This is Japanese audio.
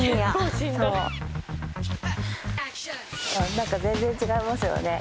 何か全然違いますよね。